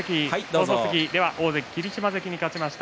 大関霧島関に勝ちました